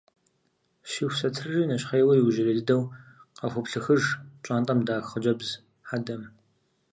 Щиху сатырри нэщхъейуэ иужьрей дыдэу къыхуоплъыхыж пщӏантӏэм дах хъыджэбз хьэдэм.